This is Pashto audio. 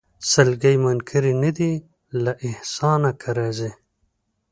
سلګۍ منکري نه دي له احسانه که راځې